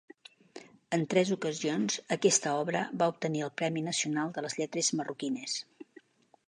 En tres ocasions aquesta obra va obtenir el Premi Nacional de les Lletres Marroquines.